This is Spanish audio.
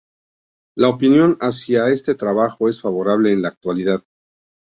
La opinión hacia este trabajo es favorable en la actualidad.